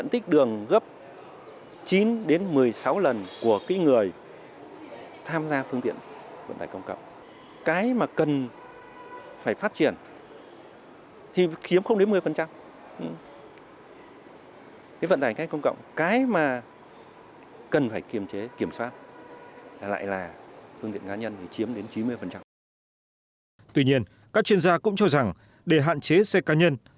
tuy nhiên các chuyên gia cũng cho rằng để hạn chế xe cá nhân